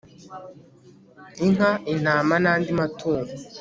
inka intama nandi matungo